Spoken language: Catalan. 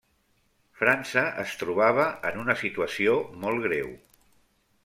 França es trobava en una situació molt greu.